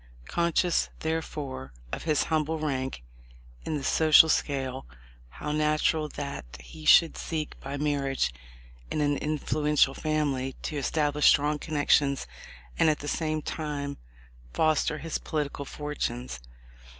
Conscious, therefore, of his humble rank in the social scale, how natural that he should seek by mar riage in an influential family to establish strong con nections and at the same time foster his political fortunes